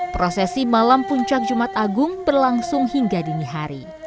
prosesi malam puncak jumat agung berlangsung hingga dini hari